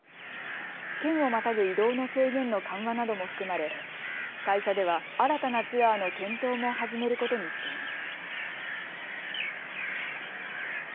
県をまたぐ移動の制限の緩和なども含まれ、会社では新たなツアーの検討も始めることにしています。